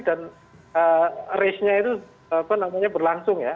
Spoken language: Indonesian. dan rangenya itu berlangsung ya